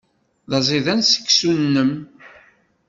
D aẓidan seksu-nnem.